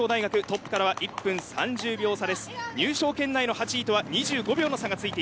トップからは１分３９秒差。